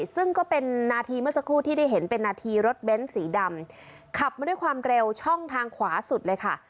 ซึ่งก็เป็นนาทีเมื่อสักครู่ที่ได้เห็นเป็นนาทีรถเบ้นสีดำขับมาด้วยความเร็วช่องทางขวาสุดเลยค่ะ